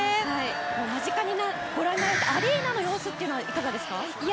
間近にご覧になるアリーナの様子はいかがですか？